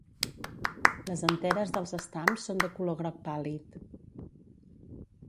Les anteres dels estams són de color groc pàl·lid.